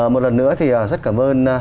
một lần nữa thì rất cảm ơn